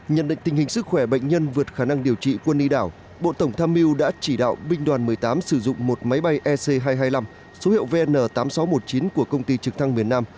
nhận định tình hình sức khỏe bệnh nhân vượt khả năng điều trị quân y đảo bộ tổng tham mưu đã chỉ đạo binh đoàn một mươi tám sử dụng một máy bay ec hai trăm hai mươi năm số hiệu vn tám nghìn sáu trăm một mươi chín của công ty trực thăng miền nam